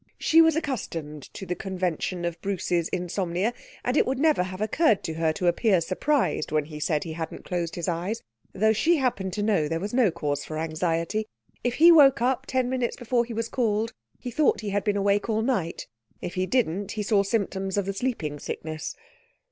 She was accustomed to the convention of Bruce's insomnia, and it would never have occurred to her to appear surprised when he said he hadn't closed his eyes, though she happened to know there was no cause for anxiety. If he woke up ten minutes before he was called, he thought he had been awake all night; if he didn't he saw symptoms of the sleeping sickness.